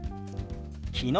「昨日」。